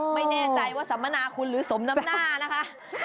ไม่แน่ใจว่าสัมมนาคุณหรือสมน้ำหน้านะคะ